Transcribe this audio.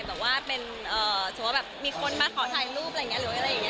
แบบว่าเป็นสมมุติว่าแบบมีคนมาขอถ่ายรูปอะไรอย่างนี้